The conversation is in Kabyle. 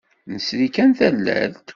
Nesri kan tallalt.